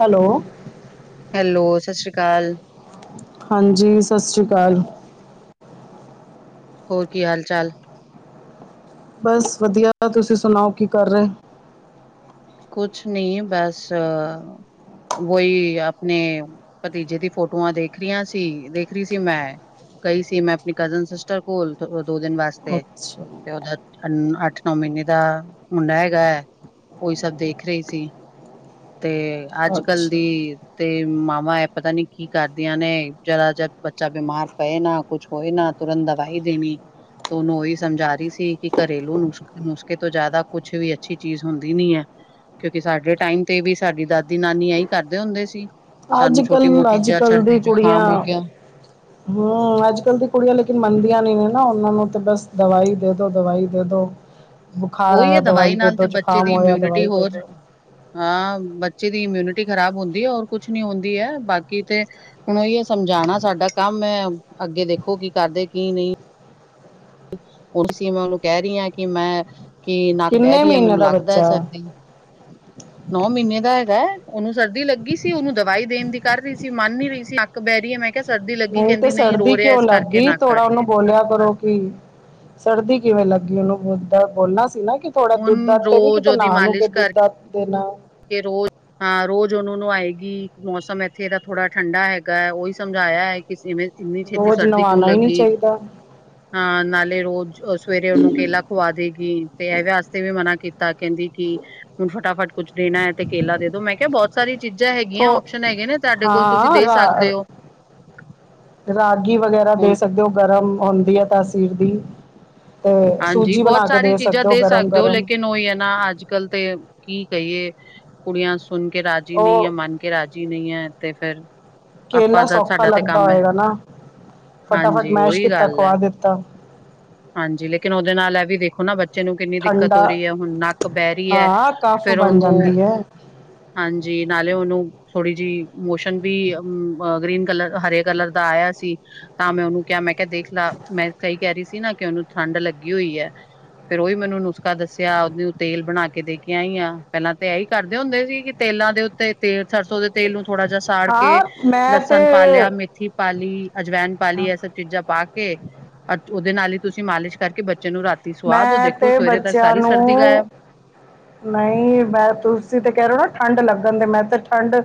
Hello hello, ਸਤਿ ਸ੍ਰੀ ਅਕਾਲ। ਹਾਂਜੀ ਸਤਿ ਸ੍ਰੀ ਕਾਲ ਹੋਰ ਕੀ ਹਾਲ ਚਾਲ ਬਸ ਵਧੀਆ ਤੁਸੀਂ ਸੁਣਾਓ ਕੀ ਕਰ ਰਹੇ। ਕੁਛ ਨੀਂ ਬਸ ਵੋਈ ਆਪਣੇ ਭਤੀਜੇ ਦੀ ਫੋਟੋਆਂ ਦੇਖ ਰਹੀਆਂ ਸੀ ਦੇਖ ਰੀ ਸੀ ਮੈਂ ਕਈ ਸੀ ਮੈਂ ਆਪਣੀ ਕਜ਼ਨ ਸਿਸਟਰ ਕੋਲ ਦੋ ਦਿਨ ਵਾਸਤੇ। ਅੱਛਾ ਤੇ ਉਹਦਾ ਅੱਠ ਨੌ ਮਹੀਨੇ ਦਾ ਮੁੰਡਾ ਹੈਗਾ ਐ। ਉਹੀ ਸਭ ਦੇਖ ਰਹੀ ਸੀ। ਤੇ ਅੱਜ ਕੱਲ ਅੱਛਾ ਦੀ ਤੇ ਮਾਵਾਂ ਐਹ ਪਤਾ ਨੀ ਕੀ ਕਰਦੀਆਂ ਨੇ ਜਰਾ ਜਦ ਬੱਚਾ ਬਿਮਾਰ ਪਏ ਨਾ ਕੁਛ ਹੋਏ ਨਾ ਤੁਰੰਤ ਦਵਾਈ ਦੇਣੀ। ਉਹਨੂੰ ਉਹੀ ਸਮਝਾ ਰਈ ਸੀ ਕਿ ਘਰੇਲੂ ਨੁਸਖੇ ਨੁਸਖੇ ਤੋਂ ਜਿਆਦਾ ਕੁਛ ਵੀ ਅੱਛੀ ਚੀਜ਼ ਹੁੰਦੀ ਨੀਂ ਆ ਕਿਉਂਕਿ ਸਾਡੇ ਟਾਈਮ ਤੇ ਵੀ ਸਾਡੀ ਦਾਦੀ ਨਾਨੀ ਇਹੀ ਕਰਦੇ ਹੁੰਦੇ ਸੀ। ਅੱਜ ਸਾਨੂੰ ਕੱਲ ਛੋਟੀ ਮੋਟੀ ਅੱਜ ਜਾਂ ਕੱਲ੍ਹ ਦੀ ਸਰਦੀ ਕੁੜੀਆਂ ਜ਼ੁਕਾਮ ਹੋ ਗਿਆ ਹੂੰ ਅੱਜ ਕਲ ਦੀ ਕੁੜੀਆਂ ਲੇਕਿਨ ਮੰਨਦੀਆਂ ਨੀ ਨਾ ਉਹਨਾਂ ਨੂੰ ਤੇ ਬਸ ਦਵਾਈ ਦੇ ਦੋ ਦਵਾਈ ਦੇ ਦੋ ਉਹੀ ਹੈ ਦਵਾਈ ਨਾਲ ਤੇ ਬੱਚੇ ਦੀ ਹੋਇਆ ਇਮਿਊਨਿਟੀ ਦਵਾਈ ਦੇ ਹੋਰ ਦਿਉ ਹਾਂ ਬੱਚੇ ਦੀ ਇਮਿਊਨਿਟੀ ਖ਼ਰਾਬ ਹੁੰਦੀ ਔਰ ਕੁਛ ਨੀ ਹੁੰਦੀ ਐ ਬਾਕੀ ਤੇ ਹੁਣ ੳਹੀੳ ਸਮਝਾਉਣਾ ਸਾਡਾ ਕੰਮ ਐਂ ਅੱਗੇ ਦੇਖੋ ਕੀ ਕਰਦੇ ਕੀ ਨਈਂ ਹੁਣ ਸੀ ਮੈਂ ਉਹਨੂੰ ਕਹਿ ਰਹੀ ਹਾਂ ਕਿ ਮੈਂ ਕੀ ਨੱਕ ਬੈਹ ਕਿੰਨੇ ਰੀ ਐ ਮਹੀਨੇ ਮੈਨੂੰ ਦਾ ਲੱਗਦੈ ਬੱਚਾ ਸਰਦੀ ਨੌ ਮਹੀਨੇ ਦਾ ਹੈਗੇ ਉਹਨੂੰ ਸਰਦੀ ਲੱਗੀ ਸੀ ਉਹਨੂੰ ਦਵਾਈ ਦੇਣ ਦੀ ਕਰ ਰਹੀ ਸੀ ਮੰਨ ਨੀ ਰਹੀ ਸੀ ਨੱਕ ਬਹਿ ਰਹੀ ਹੈ ਮੈਂ ਕਿਹਾ ਸਰਦੀ ਲੱਗੀ ਨਹੀਂ ਤੇ ਕਹਿੰਦੀ ਰੋ ਸਰਦੀ ਰਿਹਾ ਕਿਉਂ ਇਸ ਲੱਗ ਕਰਕੇ ਗੀ ਨੱਕ ਆ ਥੋੜਾ ਰਹੀ। ਉਹਨੂੰ ਬੋਲਿਆ ਕਰੋ ਕੀ ਸਰਦੀ ਕਿਵੇਂ ਲੱਗੀ ਉਹਨੂੰ ਬਦ ਬੋਲਣਾ ਸੀ ਨਾ ਥੋੜਾ ਹੁਣ ਦੁੱਧ ਦੱਤ ਤੇ ਨੀ ਕਿਤੇ ਨਾ ਨੂੰ ਕੇ ਦੁੱਧ ਦਾਧ ਦੇਣਾ ਕਿ ਰੋਜ਼ ਹਾਂ ਰੋਜ਼ ਉਹਨੂੰ ਨਵਾਏਗੀ ਮੌਸਮ ਇੱਥੇ ਦਾ ਥੋੜਾ ਠੰਡਾ ਹੈਗਾ ਉਹੀ ਸਮਝਾ ਆਇਆ ਹੈ ਕਿ ਇਵੇਂ ਇੰਨੀ ਛੇਤੀ ਰੋਜ਼ ਸਰਦੀ ਕਿਉਂ ਨਵਾਣਾ ਹੀ ਨਹੀਂ ਲੱਗੀ ਚਾਹੀਦਾ ਹਾਂ ਨਾਲੇ ਰੋਜ਼ ਉਹ ਸਵੇਰੇ ਉਹਨੂੰ ਕੇਲਾ ਖੁਵਾ ਦੇਗੀ ਵੀ ਤੇ ਇਹਦੇ ਵਾਸਤੇ ਵੀ ਮਨਾ ਕੀਤਾ ਕਹਿੰਦੀ ਕਿ ਹੁਣ ਫਟਾਫਟ ਕੁੱਛ ਦੇਣਾ ਹੈ ਤੇ ਕੇਲਾ ਦੇ ਦੋ ਮੈਂ ਕਿਹਾ ਬਹੁਤ ਸਾਰੀ ਚੀਜ਼ਾਂ ਹੈਗੀਆਂ ਓਪਸ਼ਨ ਹੈਗੇ ਨੇ ਤੁਹਾਡੇ ਕੋਲ ਤੁਸੀਂ ਹਾਂ ਦੇ ਸਕਦੇ ਹੋ ਰਾਗੀ ਵਗੈਰਾ ਦੇ ਹੁਣ ਸਕਦੇ ਹੋ ਗਰਮ ਹੁੰਦੀ ਹੈ ਤਾਸੀਰ ਦੀ ਤੇ ਹਾਂਜੀ ਸੂਜੀ ਬਹੁਤ ਬਣਾ ਕੇ ਸਾਰੀ ਚੀਜ਼ਾਂ ਹੋ ਦੇ ਗਰਮ ਸਕਦੇ ਹੋ ਗਰਮ ਲੇਕਿਨ ਉਹੀ ਹੈ ਨਾ ਅੱਜ ਕੱਲ ਤੇ ਕੀ ਕਹੀਏ ਕੁੜੀਆਂ ਸੁਣ ਕੇ ਰਹਿ ਨਹੀਂ ਹੈ ਉਹ ਮੰਨ ਕੇ ਰਾਜ਼ੀ ਨਹੀਂ ਹੈ ਤੇ ਫੇਰ ਆਪਾਂ ਕੇਲਾ ਦਾ ਸੌਖਾ ਸਾਡਾ ਤੇ ਲੱਗਦਾ ਕੰਮ ਹੈ ਹੋਏਗਾ ਨਾ ਫਟਾਫਟ ਹਾਂਜੀ ਮੈਸ਼ ਉਹੀ ਕੀਤਾ ਗੱਲ ਹੈ ਖਵਾ ਦਿੱਤਾ ਹਾਂਜੀ ਲੇਕਿਨ ਉਹਦੇ ਨਾਲ ਇਹ ਵੀ ਦੇਖੋ ਨਾ ਬੱਚ ਬੱਚੇ ਨੂੰ ਕਿੰਨੀ ਦਿੱਕਤ ਠੰਡਾ ਹੋ ਰਹੀ ਹੈ ਹੁਣ ਨੱਕ ਬਹਿ ਰਹੀ ਹੈ ਹਾਂ ਕਫ ਫੇਰ ਬਣ ਉਹਨੂੰ ਜਾਂਦੀ ਹੈ ਹਾਂਜੀ ਨਾਲੇ ਉਹਨੂੰ ਥੋੜ੍ਹੀ ਜਿਹੀ ਮੋਸ਼ਨ ਵੀ ਗ੍ਰੀਨ ਕਲਰ ਹਰੇ ਕਲਰ ਦਾ ਆਇਆ ਸੀ ਤਾਂ ਮੈਂ ਉਹਨੂੰ ਕਿਹਾ ਮੈਂ ਕ ਦੇਖ ਲਾ ਮੈਂ ਕਹੀ ਕਹਿ ਰਹੀ ਸੀ ਨਾ ਕਿ ਉਹਨੂੰ ਠੰਡ ਲੱਗੀ ਹੋਈ ਹੈ ਫੇਰ ਉਹੀ ਮੈ ਉਹਨੂੰ ਨੁਸਖਾ ਦੱਸਿਆ ਉਹਨੂੰ ਤੇਲ ਬਣਾ ਕੇ ਦੇ ਕੇ ਆਈ ਆ ਪਹਿਲਾਂ ਤਾਂ ਇਹੀ ਕਰਦੇ ਹੁੰਦੇ ਸੀ ਕਿ ਤੇਲਾਂ ਦੇ ਉੱਤੇ ਤੇਲ ਸਰਸੋਂ ਦੇ ਤੇਲ ਨੂੰ ਥੋੜ੍ਹਾ ਜਿਹਾ ਸਾੜ ਕੇ ਹਾਂ ਮੈਂ ਤੇ ਲਸਣ ਪਾ ਲਿਆ ਮੇਥੀ ਪਾ ਲ ਲਈ ਅਜਵੈਨ ਪਾ ਲਈ ਇਹ ਸਭ ਚੀਜ਼ਾਂ ਪਾ ਕੇ ਅ ਉਹਦੇ ਨਾਲ ਹੀ ਤੁਸੀਂ ਮਾਲਿਸ਼ ਕਰਕੇ ਬ ਬੱਚੇ ਨੂੰ ਰਾਤੀ ਸੁਵਾਦ ਹੋ ਮੈਂ ਦੇਖੋ ਤੇ ਸਵੇਰੇ ਤੱਕ ਬੱਚਿਆਂ ਸਾਰੀ ਸਰਦੀ ਗਾਇਬ ਨੂੰ ਨਹੀਂ ਮੈਂ ਤੁਸੀਂ ਤੇ ਕਹਿ ਰੋ ਨਾ ਠੰਡ ਲੱਗਣ ਦੇ ਮੈਂ ਤੇ ਠੰਡ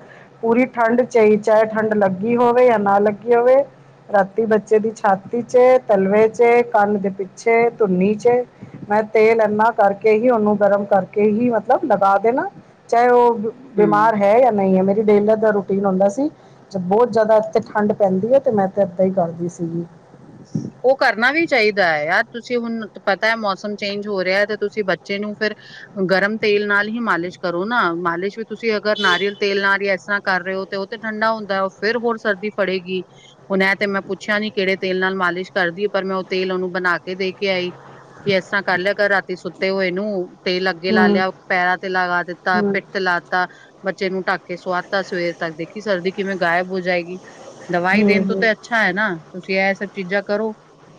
ਪੂਰੀ ਠੰਢ ਚਹੀ ਠੰਡ ਲੱਗੀ ਹੋਵੇ ਜਾਂ ਨਾ ਲੱਗੀ ਹੋਵੇ ਰਾਤੀ ਬੱਚੇ ਦੀ ਛਾਤੀ ਚ ਤਲਵੇ ਚ ਕੰਨ ਦੇ ਪਿੱਛੇ ਧੁਨੀ ਚ ਮੈਂ ਤੇਲ ਇਨਾ ਕਰਕੇ ਹੀ ਉਹਨੂੰ ਗਰਮ ਕਰਕੇ ਹੀ ਮਤਲਬ ਲਗਾ ਦੇਣਾ ਚਾਹੇ ਉਹ ਹੂੰ। ਬਿਮਾਰ ਹੈ ਜਾਂ ਨਹੀਂ ਹੈ ਮੇਰੀ ਡੇਲੀ ਦਾ ਰੂਟੀਨ ਹੁੰਦਾ ਸੀ ਬਹੁਤ ਜਿਆਦਾ ਇਥੇ ਠੰਡ ਪੈਂਦੀ ਹੈ ਤੇ ਮੈਂ ਤੇ ਇਦਾਂ ਹੀ ਕਰਦੀ ਸੀਗੀ। ਉਹ ਕਰਨਾ ਵੀ ਚਾਹੀਦਾ ਹੈ ਯਾਰ ਤੁਸੀਂ ਹੁਣ ਪਤਾ ਹੈ ਮੌਸਮ ਚੇਂਜ ਹੋ ਰਿਹਾ ਤੇ ਤੁਸੀਂ ਬੱਚੇ ਨੂੰ ਫਿਰ ਗਰਮ ਤੇਲ ਨਾਲ ਹੀ ਮਾਲਿਸ਼ ਕਰੋ ਨਾ ਮਾਲਿਸ਼ ਵੀ ਤੁਸੀਂ ਅਗਰ ਨਾਰੀਅਲ ਤੇਲ ਨਾਲ ਕਰ ਰਹੇ ਹੋ ਤੇ ਉਹ ਤੇ ਠੰਡਾ ਹੁੰਦਾ ਉਹ ਫੇਰ ਹੋਰ ਸਰਦੀ ਪੜੇਗੀ ਹੁਣ ਐ ਤੇ ਮੈਂ ਪੁੱਛਿਆ ਨੀ ਕਿਹੜੇ ਤੇਲ ਨਾਲ ਮਾਲਿਸ਼ ਕਰਦੀ ਹੈ ਪਰ ਮੈਂ ਉਹ ਤੇਲ ਉਹਨੂੰ ਬਣਾ ਕੇ ਦੇ ਕੇ ਆਈ। ਕਿ ਐਸਾਂ ਕਰ ਲਿਆ ਕਰ ਰਾਤੀ ਸੁੱਤੇ ਹੋਏ ਨੂੰ ਤੇ ਲੱਗੇ ਲਾ ਹੂੰ ਲਿਆ ਪੈਰਾਂ ਤੇ ਲਗਾ ਦਿੱਤਾ ਹੂੰ ਪਿੱਠ ਤੇ ਲਾਤਾ ਬੱਚੇ ਨੂੰ ਢੱਕ ਕੇ ਸੁਆ ਦਿੱਤਾ ਤਾਂ ਸਵੇਰ ਤੱਕ ਦੇਖੀ ਸਰਦੀ ਕਿਵੇਂ ਗਾਇਬ ਹੋ ਜਾਏਗੀ। ਦਵਾਈ ਹੂੰ ਦੇਣ ਤੋਂ ਹੂੰ ਤੇ ਅੱਛਾ ਹੈ ਨਾ ਤੁਸੀਂ ਇਹ ਸਭ ਚੀਜ਼ਾਂ ਕਰੋ।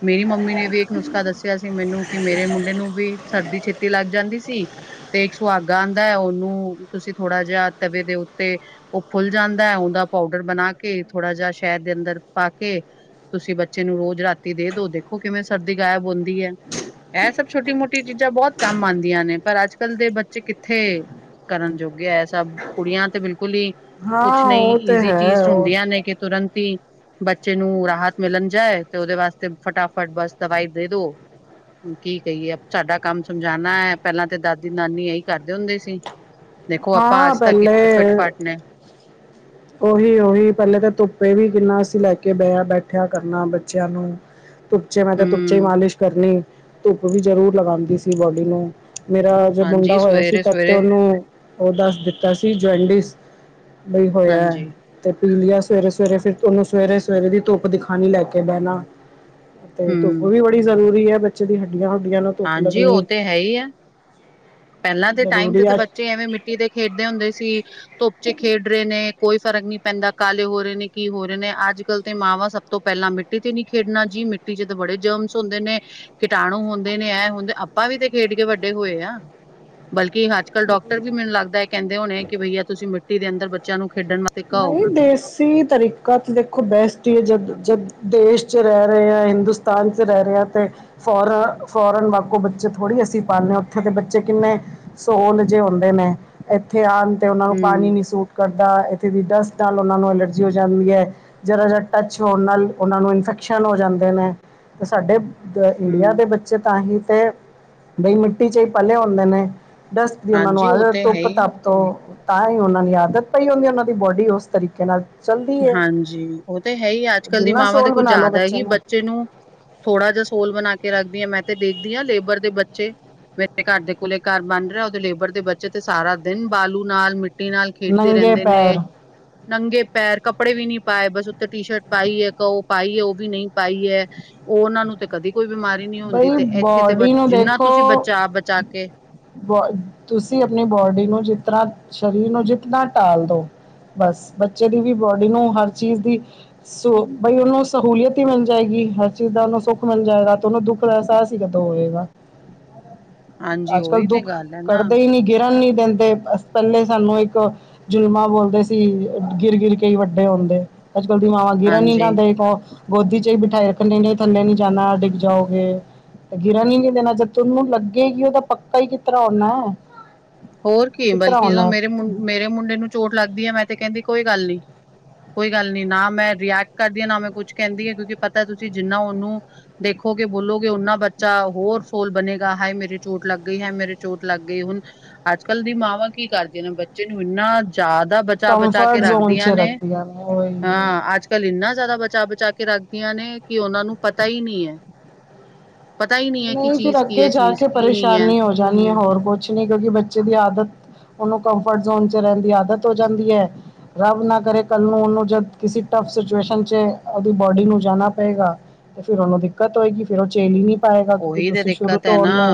ਮੇਰੀ ਮੰਮੀ ਨੇ ਵੀ ਇੱਕ ਨੁਸਖਾ ਦੱਸਿਆ ਸੀ ਮੈਨੂੰ ਕਿ ਮੇਰੇ ਮੁੰਡੇ ਨੂੰ ਵੀ ਸਰਦੀ ਛੇਤੀ ਲੱਗ ਜਾਂਦੀ ਸੀ। ਤੇ ਇੱਕ ਸੁਹਾਗਾਂ ਆਉਂਦਾ ਉਹਨੂੰ ਤੁਸੀਂ ਥੋੜਾ ਜਿਹਾ ਤਵੇ ਦੇ ਉੱਤੇ ਉਹ ਫੁੱਲ ਜਾਂਦਾ ਹੈ ਉਹਦਾ ਪਾਊਡਰ ਬਣਾ ਕੇ ਥੋੜਾ ਜਿਹਾ ਸ਼ਹਿਦ ਦੇ ਅੰਦਰ ਪਾ ਕੇ ਤੁਸੀਂ ਬੱਚੇ ਨੂੰ ਰੋਜ਼ ਰਾਤੀ ਦੇ ਦੋ ਦੇਖੋ ਕਿਵੇਂ ਸਰਦੀ ਗਾਇਬ ਹੁੰਦੀ ਹੈ। ਇਹ ਸਭ ਛੋਟੀ ਮੋਟੀ ਚੀਜ਼ਾਂ ਬਹੁਤ ਕੰਮ ਆਉਂਦੀਆਂ ਨੇ ਪਰ ਅੱਜ ਕੱਲ੍ਹ ਦੇ ਬੱਚੇ ਕਿੱਥੇ ਕਰਨ ਜੋਗੇ ਹੈ ਸਭ ਕੁੜੀਆਂ ਤੇ ਬਿਲਕੁਲ ਹੀ ਕੁਛ ਹਾਂ ਨਹੀਂ ਉਹ ਤਾਂ ਈਜ਼ੀ ਚੀਜ਼ ਹੈ ਉਹ ਹੁੰਦੀਆਂ ਨੇ ਕਿ ਤੁਰੰਤ ਹੀ ਬੱਚੇ ਨੂੰ ਰਾਹਤ ਮਿਲਣ ਜਾਏ ਤੇ ਉਹਦੇ ਵਾਸਤੇ ਫਟਾਫਟ ਬਸ ਦਵਾਈ ਦੇ ਦੋ ਹੁਣ ਕੀ ਕਹੀਏ ਸਾਡਾ ਕੰਮ ਸਮਝਾਣਾ ਹੈ ਪਹਿਲਾਂ ਤਾਂ ਦਾਦੀ ਨਾਨੀ ਇਹੀ ਕਰਦੇ ਹੁੰਦੇ ਸੀ। ਦੇਖੋ ਆਪਾਂ ਹਾਂ ਅੱਜ ਤੱਕ ਫਿਟ ਫੱਟ ਨੇ ਓਹੀ ਓਹੀ ਪਹਿਲੇ ਤਾਂ ਧੁੱਪੇ ਵੀ ਕਿੰਨਾ ਅਸੀਂ ਲੈ ਕੇ ਬਿਹਾ ਬੈਠਿਆ ਕਰਨਾ ਬੱਚਿਆਂ ਨੂੰ ਧੁਪਚੇ ਮੈਂ ਤਾਂ ਧੁਪਚੇ ਹੀ ਹਮ ਮਾਲਿਸ਼ ਕਰਨੀ ਧੁੱਪ ਵੀ ਜ਼ਰੂਰ ਲਗਾਉਂਦੀ ਸੀ ਬੋਡੀ ਨੂੰ ਮੇਰਾ ਜੋ ਮੁੰਡਾ ਹਾਂਜੀ ਹੋਇਆ ਸੀ ਸਵੇਰੇ ਤਦ ਤੇ ਸਵੇਰੇ ਉਹਨੂੰ ਉਹ ਦੱਸ ਦਿੱਤਾ ਸੀ ਜੋਨਡਸ ਹੋਇਆ ਹਾਂਜੀ ਤੇ। ਪੀਲੀਆ ਸਵੇਰੇ ਸਵੇਰੇ ਫੇਰ ਉਹਨੂੰ ਸਵੇਰੇ ਸਵੇਰੇ ਦੀ ਧੁੱਪ ਦਿਖਾਣੀ ਲੈ ਕੇ ਬਹਿਣਾ ਤੇ ਧੁੱਪ ਹਮ ਵੀ ਬੜੀ ਜ਼ਰੂਰੀ ਹੈ। ਬੱਚੇ ਦੀ ਹੱਡੀਆਂ ਹੁੱਡੀਆਂ ਨੂੰ ਧੁੱਪ ਹਾਂਜੀ ਉਹ ਲੱਗਣੀ। ਤੇ ਹੈ ਹੀ ਹੈ ਪਹਿਲਾਂ ਦੇ ਟਾਈਮ ਤੇ ਜ਼ਰੂਰੀ ਤੇ ਹੈ ਅੱਜ ਬੱਚੇ ਐਵੇਂ ਮਿੱਟੀ ਤੇ ਖੇਡਦੇ ਹੁੰਦੇ ਸੀ, ਧੁੱਪ ਚ ਖੇਡ ਰਹੇ ਨੇ। ਕੋਈ ਫਰਕ ਨਹੀਂ ਪੈਂਦਾ ਕਾਲੇ ਹੋ ਰਹੇ ਨੇ, ਕੀ ਹੋ ਰਹੇ ਨੇ ਅੱਜ- ਕੱਲ੍ਹ ਤੇ ਮਾਵਾਂ ਸਭ ਤੋਂ ਪਹਿਲਾਂ ਮਿੱਟੀ ਤੇ ਨਹੀਂ ਖੇਡਣਾ ਜੀ। ਕਿ ਮਿੱਟੀ 'ਚ ਤਾਂ ਬੜੇ ਜਰਮਜ ਹੁੰਦੇ ਨੇ, ਕੀਟਾਣੂ ਹੁੰਦੇ ਨੇ ਇਹ ਹੁੰਦੇ ਆਪਾਂ ਵੀ ਤੇ ਖੇਡ ਕੇ ਵੱਡੇ ਹੋਏ ਆ। ਬਲਕਿ ਅੱਜ ਕੱਲ੍ਹ ਡਾਕਟਰ ਵੀ ਮੈਨੂੰ ਲੱਗਦਾ ਹੈ। ਕਹਿੰਦੇ ਹੋਣੇ ਕਿ ਬਈਆ ਤੁਸੀਂ ਮਿੱਟੀ ਦੇ ਅੰਦਰ ਬੱਚਿਆਂ ਨੂੰ। ਖੇਡਣ ਵਾਸਤੇ ਕਹੋ। ਨਹੀਂ ਦੇਸੀ ਤਰੀਕਾ ਤਾਂ ਦੇਖੋ ਬੈਸਟ ਹੀ ਹੈ। ਜਦ ਜਦ। ਦੇਸ਼ ਚ ਰਹਿ ਰਹੇ ਹਾਂ। ਹਿੰਦੁਸਤਾਨ 'ਚ ਰਹਿ ਰਹੇ ਹਾਂ। ਤੇ ਫੋਰਨ ਫੋਰਨ ਵਾਗੂੰ ਬੱਚੇ ਥੋੜ੍ਹੀ। ਤੇ ਅਸੀਂ ਪਾਲਣੇ ਹਾਂ ਉੱਥੇ ਦੇ ਬੱਚੇ ਕਿੰਨੇ ਸੋਲ ਜਿਹੇ ਹੁੰਦੇ ਨੇ ਇੱਥੇ ਆ। ਤੇ ਉਹਨਾ ਨੂੰ ਪਾਣੀ ਹੂੰ ਨੀ ਸੂਟ ਕਰਦਾ ਹੈ। ਡਸਟ ਨਾਲ ਉਹਨਾਂ ਨੂੰ ਐਲਰਜੀ ਹੋ ਜਾਂਦੀ ਹੈ। ਜ਼ਰਾ ਜਿਹਾ ਟੱਚ ਹੋਣ ਨਾਲ ਉਹਨਾਂ ਨੂੰ ਇਨਫੈਕਸ਼ਨ ਹੋ ਜਾਂਦੇ ਨੇ। ਤੇ ਸਾਡੇ। ਇੰਡੀਆ ਹੂੰ ਦੇ ਬੱਚੇ ਤਾਂ ਹੀ ਤੇ ਬਈ ਮਿੱਟੀ 'ਚ ਹੀ ਪਲੇ ਹੁੰਦੇ ਨੇ। ਡਸਟ ਦੀ ਉਹਨਾਂ ਨੂੰ ਹਾਂਜੀ ਉਹ ਆਦਤ ਤੇ ਹੈ ਧੁੱਪ ਹੀ ਹੈ। ਧੱਪ ਤੋਂ ਤਾਂ ਹੀ ਉਹਨਾਂ ਦੀ ਆਦਤ ਪਈ ਹੁੰਦੀ ਉਹਨਾਂ ਦੀ। ਦੀ ਬੋਡੀ ਉਸ ਤਰੀਕੇ ਨਾਲ। ਹਾਂਜੀ ਉਹ ਤਾਂ ਹੈ। ਹੀ ਅੱਜ ਕੱਲ ਦੀ ਜਿੰਨਾ ਮਾਵਾਂ ਤੇ ਸੋਲ ਕੁਝ ਬਣਾ ਲੋ ਜ਼ਿਆਦਾ ਹੀ ਬੱਚੇ ਨੂੰ। ਥੋੜਾ ਜਿਹਾ ਸੋਲ ਬਣਾ ਕੇ ਰੱਖਦੀ ਹਾਂ। ਮੈਂ ਤੇ ਦੇਖਦੀ ਹਾਂ ਲੇਬਰ ਦੇ ਬੱਚੇ। ਮੇਰੇ ਘਰ ਦੇ ਕੋਲੇ ਘਰ ਬਣ ਰਿਹਾ ਉਹਦੇ ਲੇਬਰ ਦੇ ਬੱਚੇ ਤੇ ਸਾਰਾ ਦਿਨ ਬਾਲੂ ਨਾਲ ਮਿੱਟੀ। ਮਿੱਟੀ ਨਾਲ ਖੇਡਦੇ ਨੰਗੇ ਰਹਿੰਦੇ ਨੇ ਪੈਰ ਨੰਗੇ। ਪੈਰ, ਕੱਪੜੇ ਵੀ ਨੀ ਪਾਏ, ਬਸ ਉੱਤੇੇ ਟੀ ਸ਼ਰਟ ਪਾਈ ਹੈ, ਉਹ ਪਾਈ ਹੈ, ਉਹ ਵੀ ਨਹੀਂ ਪਾਈ ਹੈ। ਉਹ ਉਹਨਾਂ ਨੂੰ ਤੇ ਕਦੇ। ਕੋਈ ਬਿਮਾਰੀ ਨਹੀਂ ਹੁੰਦੀ ਬਈ ਤੇ ਇੱਥੇ ਤੇ ਬੱਸ ਬੋਡੀ ਨੂੰ ਜਿੰਨਾ ਦੇਖੋ ਤੁਸੀਂ ਬਚਾ ਬਚਾ ਕੇ। ਬੋ ਤੁਸੀਂ ਆਪਣੀ ਬੋਡੀ ਨੂੰ ਜਿਸ ਤਰ੍ਹਾਂ ਸਰੀਰ ਨੂੰ ਜਿਤਨਾ ਟਾਲ ਦਿਉ। ਬਸ ਬੱਚੇ ਦੀ ਵੀ ਬੋਡੀ ਨੂੰ ਹਰ ਚੀਜ਼ ਦੀ ਸ ਬਈ ਉਹਨੂੰ ਸਹੂਲੀਅਤ ਹੀ ਮਿਲ ਜਾਏਗੀ। ਹਰ ਚੀਜ਼ ਦਾ ਉਹਨੂੰ ਸੁੱਖ ਮਿਲ ਜਾਏਗਾ ਤੇ ਉਹਨੂੰ ਦੁੱਖ ਦਾ ਅਹਿਸਾਸ ਹੀ ਕਦੋਂ ਹੋਵੇਗਾ? ਹਾਂਜੀ ਅੱਜ ਕੱਲ ਉਹੀ ਤੇ ਦੁੱਖ ਗੱਲ ਹੈ ਨਾ ਕਰਦੇ ਹੀ ਨਹੀਂ ਗਿਰਨ ਨੀ। ਦਿੰਦੇ ਤੇ ਪਹਿਲੇ ਸਾਨੂੰ ਇੱਕ ਜ਼ੁਲਮਾਂ ਬੋਲਦੇ ਸੀ, ਗਿਰ-ਗਿਰ ਕੇ ਈ ਵੱਡੇ ਹੁੰਦੇ। ਅੱਜ -ਕੱਲ੍ਹ ਦੀਆਂ ਮਾਂਵਾਂ ਗਿਰਨ ਈ ਨਾ ਹਾਂਜੀ ਦੇਖ ਹੁਣ। ਗੋਦੀ ਚ ਹੀ ਬਿਠਾਏ ਰੱਖੇ ਨੇ, ਥੱਲੇ ਨਹੀਂ ਜਾਣਾ ਡਿੱਗ ਜਾਓਗੇ। ਤੇ ਗਿਰਨ ਹੀ ਨਹੀਂ ਦੇਣਾ ਜਦ ਤੁਹਾਨੂੰ ਲੱਗੇ ਕਿ ਉਹਦਾ ਪੱਕਾ ਹੀ ਕਿਤਰ੍ਹਾਂ ਹੋਣਾ ਐ। ਹੋਰ ਕੀ ਬਲਕਿ ਜਦੋਂ ਮੇਰੇ -ਮੇਰੇ ਮੁੰਡੇ ਨੂੰ ਚੋਟ ਲੱਗਦੀ ਹੈ, ਮੈਂ ਤੇ ਕਹਿੰਦੀ ਕੋਈ ਗੱਲ ਨਹੀਂ। ਕੋਈ ਗੱਲ ਨੀ ਨਾ ਮੈਂ ਰੀਐਕਟ ਕਰਦੀ ਹਾਂ ਨਾ ਮੈਂ ਕੁਛ ਕਹਿੰਦੀ ਹਾਂ, ਕਿਉਂਕਿ ਪਤਾ ਤੁਸੀਂ ਜਿੰਨਾ ਉਹਨੂੰ ਦੇਖੋ ਦੇਖੋਗੇ ਬੋਲੋਗੇ ਉਹਨਾ ਬੱਚਾ ਹੋਰ ਸੋਹਲ ਬਣੇਗਾ, ਹਾਏ ਮੇਰੀ ਚੋਟ ਲੱਗ ਗਈ ਹਾਏ ਮੇਰੇ ਚੋਟ ਲੱਗ ਗਈ ਹੁਣ ਅੱਜ -ਕੱਲ੍ਹ ਦੀ ਮਾਵਾਂ ਕੀ ਕਰਦੀਆਂ ਨੇ ਬੱਚੇ ਨੂੰ ਇੰਨਾ ਜ਼ਾਦਾ ਬਚਾਅ ਬਚਾ ਕੇ ਕੰਫਰਟ ਜ਼ੋਨ 'ਚ ਰੱਖਦੀਆਂ ਨੇ ਰੱਖਦੀਆਂ ਉਹੀ ਉਹੀ ਹਾਂ, ਅੱਜ- ਕੱਲ ਇੰਨਾ ਜ਼ਿਆਦਾ ਬਚਾਅ- ਬਚਾਅ ਕੇ ਕੇ ਰੱਖਦੀਆਂ ਨੇ ਕਿ ਉਹਨਾਂ ਨੂੰ ਪਤਾ ਹੀ ਨਹੀਂ ਈ ਐ। ਨਹੀਂ ਫਿਰ ਅੱਗੇ ਜਾ ਕੇ ਨਹੀਂ ਹੈ ਪਰੇਸ਼ਾਨੀ ਹੋ ਜਾਣੀ ਹੈ, ਹੋਰ ਕੁਛ ਨਹੀਂ ਕਿਉਂਕਿ ਬੱਚੇ ਦੀ ਆਦਤ ਉਹਨੂੰ ਕੰਫਰਟ ਜ਼ੋਨ ਚ ਰਹਿਣ ਦੀ ਆਦਤ ਹੋ ਜਾਂਦੀ ਹੈ। ਰੱਬ ਨਾ ਕਰੇ ਕੱਲ ਨੂੰ ਉਹਨੂੰ ਜਦ ਕਿਸੇ ਟਫ ਸਿਚੁਏਸ਼ਨ ਚ ਉਹਦੀ ਬੋਡੀ ਨੂੰ ਜਾਣਾ ਪਏਗਾ। ਤੇ ਫੇਰ ਉਹਨੂੰ ਦਿੱਕਤ ਹੋਏਗੀ, ਫੇਰ ਉਹ ਝੇਲੀ ਨੀ ਪਏਗਾ ਕਿਉਂਕਿ ਉਹੀ ਤੇ ਤੁਸੀਂ ਸ਼ੁਰੂ ਦਿੱਕਤ ਹੈ ਤੋਂ ਨਾ ਉਹਨੂੰ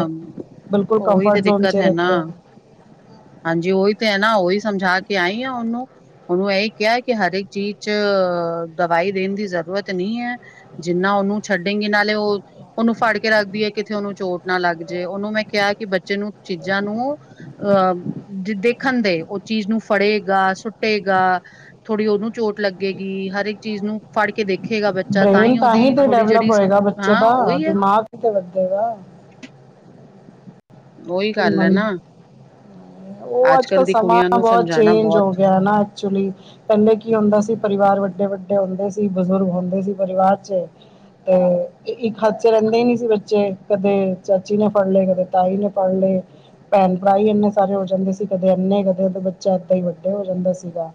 ਬਿਲਕੁਲ ਉਹੀ ਕੰਫਰਟ ਤੇ ਜੋਨ ਚ ਦਿੱਕਤ ਰੱਖਿਆ ਨਾ ਹੈ। ਹਾਂਜੀ ਉਹੀ ਤੇ ਹੈ ਨਾ ਉਹੀ ਸਮਝਾ ਕੇ ਆਈ ਆ ਉਹਨੂੰ। ਉਹਨੂੰ ਇਹੀ ਕਿਹਾ ਕਿ ਹਰੇਕ ਚੀਜ਼ ਚ ਦਵਾਈ ਦੇਣ ਦੀ ਜ਼ਰੂਰਤ ਨਹੀਂ ਹੈ, ਜਿੰਨਾ ਉਹਨੂੰ ਛੱਡੇਗੀ ਨਾਲੇ ਉਹ ਉਹਨੂੰ ਫੜ ਕੇ ਰੱਖਦੀ ਹੈ ਕਿਤੇ ਉਹਨੂੰ ਚੋਟ ਨਾ ਲੱਗ ਜੇ, ਉਹਨੂੰ ਮੈਂ ਕਿਹਾ ਕਿ ਬੱਚੇ ਨੂੰ ਚੀਜ਼ਾਂ ਨੂੰ ਅਹ ਜੇ ਦੇਖਣ ਦੇ ਉਹ ਚੀਜ਼ ਨੂੰ ਫੜੇਗਾ, ਸੁੱਟੇਗਾ ਥੋੜ੍ਹੀ ਉਹਨੂੰ ਚੋਟ ਲੱਗੇਗੀ। ਹਰ ਇੱਕ ਚੀਜ਼ ਨੂੰ ਫੜ ਕੇ ਦੇਖੇ। ਬ੍ਰੇਨ ਤਾਂ ਹੀ ਤੇ ਡਿਵਲੈਪ ਹੋਏਗਾ ਬੱਚੇ ਹਾਂ ਦਾ ਉਹੀ ਹੈ ਦਿਮਾਗ ਕਿਤੇ ਲੱਗੇ ਬੱਚੇ ਦਾ। ਉਹੀ ਗੱਲ ਆ ਨਾ। ਉਹ ਅੱਜ- ਕੱਲ ਕੱਲ੍ਹ ਦੀ ਸਮਾਂ ਕੁੜੀਆਂ ਨੂੰ ਬਹੁਤ ਸਮਝਾਣਾ ਚੇਂਜ ਹੋ ਬਹੁਤ ਗਿਆ ਨਾ ਐਕਚੁਲੀ ਪਹਿਲੇ ਕੀ ਹੁੰਦਾ ਸੀ ਪਰਿਵਾਰ ਵੱਡੇ- ਵੱਡੇ ਵੱਡੇ ਹੁੰਦੇ ਸੀ, ਬਜ਼ੁਰਗ ਹੁੰਦੇ ਸੀ ਪਰਿਵਾਰ ਚ। ਤੇ ਇੱਕ ਹੱਥ ਚ ਰਹਿੰਦੇ ਹੀ ਨੀ ਸੀ ਬੱਚੇ ਕਦੇ ਚਾਚੀ ਨੇ ਫੜ ਲਏ ਕਦੇ ਤਾਈ ਨੇ। [unintelligible] ਭੈਣ ਭਰਾ ਹੀ ਇੰਨੇ ਸਾਰੇ ਹੋ ਜਾਂਦੇ ਸੀ ਕਦੇ ਇੰਨੇ ਕਦੇ ਬੱਚਾ ਏਦਾਂ ਹੀ ਵੱਡੇ ਹੋ ਜਾਂਦਾ ਸੀਗਾ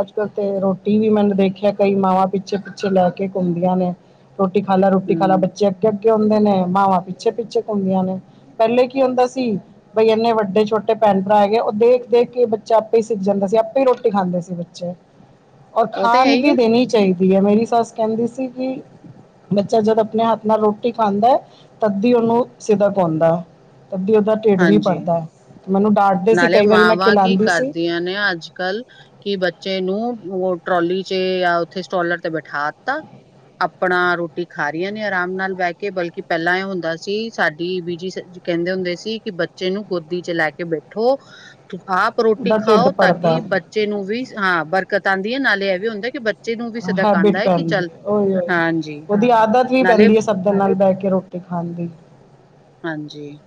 ਅੱਜ- ਕੱਲ੍ਹ ਤੇ ਰੋਟੀ ਵੀ ਮੈਨੂੰ ਦੇਖਿਆ ਕਈ ਮਾਵਾਂ ਪਿੱਛੇ -ਪਿੱਛੇ ਲੈ ਕੇ ਘੁੰਮਦੀਆਂ ਨੇ। ਰੋਟੀ ਖਾ ਲੈ ਰੋਟੀ ਖਾ ਲੈ ਹਮ ਬੱਚੇ ਅੱਗੇ -ਅੱਗੇ ਹੁੰਦੇ ਨੇ ਮਾਵਾਂ ਪਿੱਛੇ ਪਿੱਛੇ ਘੁੰਮਦੀਆਂ ਨੇ ਪਹਿਲੇ ਕੀ ਹੁੰਦਾ ਸੀ ਬਈ ਇੰਨੇ ਵੱਡੇ ਛੋਟੇ ਭੈਣ- ਭਰਾ ਹੈਗੇ, ਉਹ ਦੇਖ- ਦੇਖ ਕੇ ਬੱਚਾ ਆਪੇ ਹੀ ਸਿੱਖ ਜਾਂਦਾ ਸੀ, ਆਪੇ ਰੋਟੀ ਰੋਟੀ ਖਾਂਦੇ ਸੀ ਬੱਚੇ ਔਰ ਉਹ ਤੇ ਹੈ ਖਾਣ ਹੀ ਹੈ। ਵੀ ਦੇਣੀ ਚਾਹੀਦੀ ਹੈ, ਮੇਰੀ ਬਸ ਕਹਿੰਦੀ ਸੀ ਕਿ ਬੱਚਾ ਜਦ ਆਪਣੇ ਹੱਥ ਨਾਲ ਰੋਟੀ ਖਾਂਦਾ ਤਦ ਹੀ ਉਹਨੂੰ ਸਿਦਾ ਪਾਉਂਦਾ ਐ। ਅਤੇ ਦੀ ਉਹਦਾ ਢਿੱਡ ਵੀ ਹਾਂਜੀ ਭਰਦਾ। ਡਾਂਟਦੇ ਸੀ ਨਾਲੇ ਕਈ ਵਾਰੀ ਮੈਂ ਮਾਵਾਂ ਕੀ ਖਿਲਾਉਂਦੀ ਸੀ ਕਰਦੀਆਂ ਨੇ ਅੱਜ- ਕੱਲ੍ਹ ਕੀ ਬੱਚੇ ਨੂੰ ਉਹ ਟਰੋਲੀ ਚ ਜਾਂ ਉੱਥੇ ਸਟੋਲਰ ਤੇ ਬੈਠਾ ਦਿੱਤਾ ਆਪਣਾ ਰੋਟੀ ਖਾ ਰੀਆਂ ਨੇ ਆਰਾਮ ਨਾਲ ਬਹਿ ਕੇ ਬਲਕਿ ਪਹਿਲਾਂ ਇਹ ਹੁੰਦਾ ਸੀ ਸਾਡੀ ਬੀਜੀ ਕਹਿੰਦੇ ਹੁੰਦੇ ਸੀ ਕਿ ਬੱਚੇ ਨੂੰ ਗੋਦੀ ਚ ਲੈ ਕੇ ਬੈਠੋ ਤੇ ਆਪ ਰੋਟੀ ਉਹਦਾ ਢਿੱਡ ਖਾਓ ਤਾਂ ਕਿ ਭਰਦਾ ਹੈ ਬੱਚੇ ਨੂੰ ਵੀ ਹਾਂ ਬਰਕਤ ਆਂਦੀ ਹੈ, ਨਾਲੇ ਇਹ ਵੀ ਹੁੰਦਾ ਕਿ ਬੱ ਹੈਬਿਟ ਪੈਂਦੀ ਹੈ ਉਹੀ -ਉਹੀ ਹਾਂਜੀ ਉਹਦੀ ਆਦਤ ਵੀ ਨਾਲੇ ਪੈਂਦੀ ਹੈ ਸਾਡੇ ਨਾਲ ਬਹਿ ਕੇ। ਕੇ ਰੋਟੀ ਖਾਂਦੀ ਹਾਂਜੀ,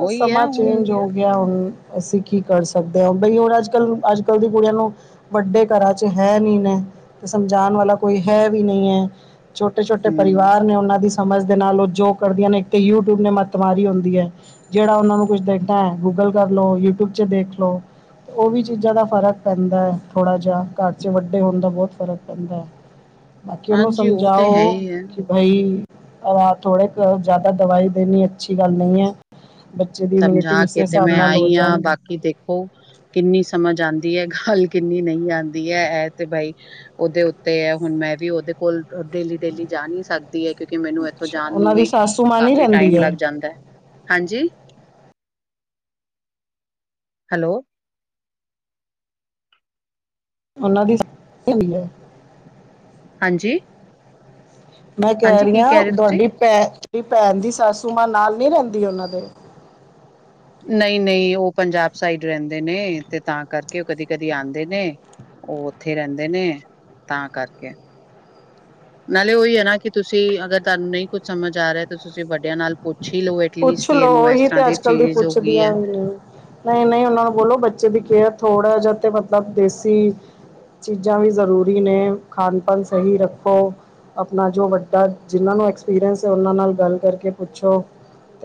ਬਸ ਉਹੀ ਹੈ ਸਮਾਂ ਹੁਣ ਚੇਂਜ ਹੋ ਗਿਆ ਹੁਣ ਅਸੀਂ ਕੀ ਕਰ ਸਕਦੇ ਹਾਂ ਬਈ ਹੋਰ ਅੱਜ -ਕੱਲ- ਅੱਜ -ਕੱਲ੍ਹ ਦੀ ਕੁੜੀਆਂ ਨੂੰ ਵੱਡੇ ਘਰਾਂ ਚ ਹੈ ਨਹੀਂ ਨੇ ਤੇ ਸਮਝਾਣ ਵਾਲਾ ਕੋਈ ਹੈ ਵੀ ਨਹੀਂ ਹੈ। ਛੋਟੇ -ਛੋਟੇ ਹਮ ਪਰਿਵਾਰ ਨੇ ਉਹਨਾਂ ਦੀ ਸਮਝ ਦੇ ਨਾਲ ਉਹ ਜੋ ਕਰਦੀਆਂ ਨੇ ਇੱਕ ਤੇ ਯੂਟਿਊਬ ਨੇ ਮੱਤ ਮਾਰੀ ਹੁੰਦੀ ਹੈ ਜਿਹੜਾ ਉਹਨਾਂ ਨੂੰ ਕੁਛ ਦੇਖਣਾ ਹੈ ਗੂਗਲ ਕਰ ਲਉ ਯੂਟਿਊਬ ਚ ਦੇਖ ਲਓ। ਉਹ ਵੀ ਚੀਜ਼ਾਂ ਦਾ ਫ਼ਰਕ ਪੈਂਦਾ ਹੈ ਥੋੜਾ ਜਿਹਾ ਘਰ ਚ ਵੱਡੇ ਹੋਣ ਦਾ ਬਹੁਤ ਫ਼ਰਕ ਪੈਂਦਾ ਹੈ। ਹ ਬਾਕੀ ਉਹ ਨੂੰ ਸਮਝਾਓ ਕਿ [unintelligible] ਥੋੜੇ ਜ਼ਿਆਦਾ ਦਵਾਈ ਦੇਣੀ ਅੱਛੀ ਗੱਲ ਨਹੀਂ ਹੈ ਬੱਚੇ ਦੀ ਇਮਿਊਨਿਟੀ ਸਮਝਾ ਉਸੇ ਕੇਤੇ ਹਿਸਾਬ ਮੈਂ ਨਾਲ ਹੋ ਆਈ ਹਾਂ ਜਾਣਗੇ ਬਾਕੀ ਦੇਖੋ ਕਿੰਨੀ ਸਮਝ ਆਦੀ ਗੱਲ ਕਿੰਨੀ ਨਹੀਂ ਆਉਂਦੀ ਹੈ ਇਹ ਤੇ ਬਾਈ ਉਹਦੇ ਉੱਤੇ ਹੈ ਹੁਣ ਮੈਂ ਵੀ ਉਹਦੇ ਕੋਲ ਡੇਲੀ ਡੇਲੀ ਜਾ ਨਹੀਂੀ ਸਕਦੀ ਹੈ ਕਿਉਕਿ ਮੈਨੂੰ ਇੱਥੋਂ ਅੱਛਾ ਜਾਣ ਨੂੰ ਉਹਨਾਂ ਦੀ ਵੀ ਸਾਸੂ ਮਾਂ ਨਹੀਂ ਕਾਫੀ ਟਾਈਮ ਰਹਿੰਦੀ ਲੱਗ ਜਾਂਦਾ ਹੈ ਹਾਂਜੀ ਹੈਲੋ ਉਨ੍ਹਾਂਨਾਂ ਦੀ [unintelligible] ਹੈ ਹਾਂਜੀ ਮੈਂ ਕਹਿ ਹਾਂਜੀ ਰਹੀ ਕੀ ਹਾਂ ਰਹੇ ਤੁਸੀਂ ਤੁਹਾਡੀ ਭੈ ਭੈਣ ਦੀ ਸਸੂ ਮਾਂ ਨਾਲ ਨੀ ਰਹਿੰਦੀ ਦੀ ਉਹਨਾਂ ਦੇ ਨਹੀਂ ਨਹੀਂ ਉਹ ਪੰਜਾਬ ਸਾਈਡ ਰਹਿੰਦੇ ਨੇ ਤੇ ਤਾਂ ਕਰਕੇ ਉਹ ਕਦੀ ਕਦੀ ਆਉਂਦੇ ਨੇ ਉਹ ਉੱਥੇ ਰਹਿੰਦੇ ਨੇ ਤਾਂ ਕਰਕੇ ਨਾਲੇ ਉਹੀ ਹੈ ਨਾ ਕਿ ਤੁਸੀਂ ਅਗਰ ਤੁਹਾਨੂੰ ਨਹੀਂ ਕੁਝ ਸਮਝ ਆ ਰਿਹਾ ਤੁਸੀਂ ਵੱਡਿਆਂ ਨਾਲ ਪੁੱਛ ਹੀ ਲਓ ਐਟਲੀਸਟ ਪੁੱਛ ਕਿ ਲੋੋ ਇਹਨੂੰ ਇਸ ਉਹੀ ਤਰ੍ਹਾਂ ਤੇ ਅੱਜ ਕੱਲ ਦੀ ਚੀਜ਼ ਹੋ ਗਈ ਪੁੱਛਦੀਆਂ ਹੈ ਵੀ ਨਹੀਂ ਨਹੀਂ ਉਹਨਾਂ ਨੂੰ ਬੋਲੋ ਬੱਚੇ ਵੀ ਕੇ ਹੈ ਥੋੜ੍ਹਾ ਜਿਹਾ ਤੇ ਮਤਲਬ ਦੇਸੀ ਚੀਜ਼ਾਂ ਵੀ ਜ਼ਰੂਰੀ ਨੇ ਖਾਣ ਪਾਂਣ ਸਹੀ ਰੱਖੋ ਆਪਣਾ ਜੋ ਵੱਡਾ ਜਿਹਨਾਂ ਨੂੰ ਐਕਸਪੀਰੀਅੰਸ ਹੈ ਉਹਨਾਂ ਨਾਲ ਗੱਲ ਕਰਕੇ ਪੁੱਛੋ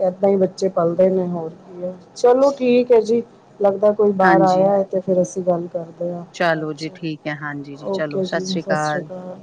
ਏਦਾਂ ਹੀ ਬੱਚੇ ਪਲਦੇ ਨੇ ਹੋਰ ਕੀ ਹੈ ਚਲੋ ਠੀਕ ਹੈ ਜੀ ਲੱਗਦਾ ਕੋਈ ਬਾਹਰ ਆਇਆ ਹਾਂਜੀ ਹੈ ਤੇ ਫਿਰ ਅਸੀਂ ਗੱਲ ਕਰਦੇ ਹਾਂ ਚਲੋ ਜੀ ਠੀਕ ਹੈ ਹਾਂਜੀ ਜੀ ਚਲੋ ਓਕੇ ਜੀ ਸ੍ਰੀ ਸਤਿ ਸ਼੍ਰੀ ਅਕਾਲ